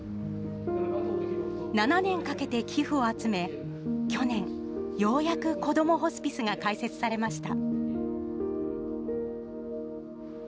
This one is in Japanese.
７年かけて寄付を集め、去年、ようやくこどもホスピスが開設されました。